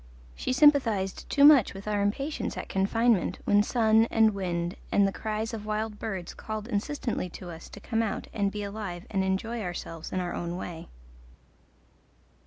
She sympathized too much with our impatience at confinement when sun and wind and the cries of wild birds called insistently to us to come out and be alive and enjoy ourselves in our own way.